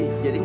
aku mau pergi